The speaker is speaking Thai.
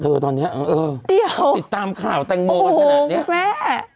เออตอนนี้เออเดี๋ยวติดตามข่าวแตงโบกันขนาดเนี้ยโอ้โหคุณแม่